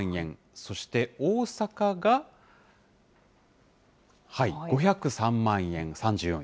そして、大阪が５０３万円、３４位。